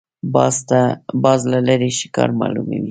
باز له لرې ښکار معلوموي